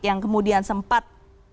yang kemudian sempat